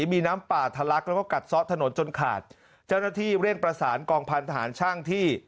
มีน้ำป่าทะลักแล้วก็กัดซ่อถนนจนขาดเจ้าหน้าที่เร่งประสานกองพันธหารช่างที่